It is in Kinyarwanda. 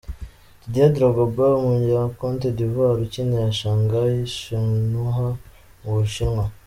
Didier Drogb , umunya Cote d’Ivoir ukinira Shanghai Shenhua mu Bushinwa.